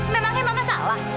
memangnya mama salah